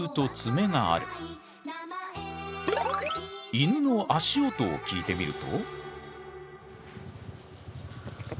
イヌの足音を聞いてみると。